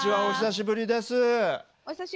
お久しぶりです。